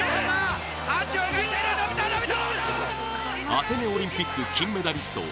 アテネオリンピック金メダリスト